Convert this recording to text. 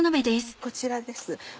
こちらです。